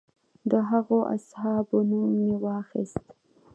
د هغو اصحابو نوم مې واخیست.